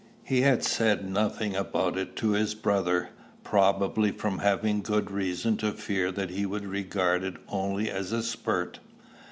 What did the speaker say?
He had said nothing about it to his brother, probably from having good reason to fear that he would regard it only as a spurt.